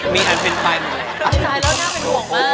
มีอันเป็นใครบ่ง